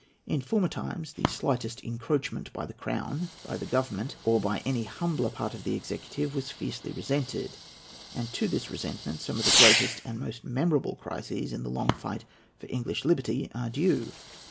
In former times the slightest encroachment by the Crown, by the Government, or by any humbler part of the executive, was fiercely resented; and to this resentment some of the greatest and most memorable crises in the long fight for English liberty are due.